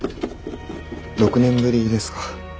６年ぶりですか。